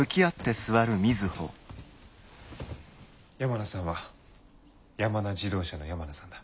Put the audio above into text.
山名さんは山名自動車の山名さんだ。